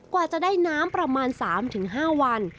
กว่าจะได้น้ำประมาณ๓๕วัน